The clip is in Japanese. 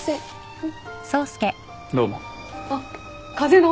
うん。